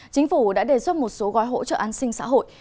chính phủ đã đề xuất một số gói hỗ trợ an sinh xã hội